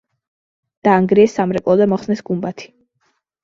დაანგრიეს სამრეკლო და მოხსნეს გუმბათი.